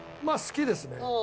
まあ好きですね。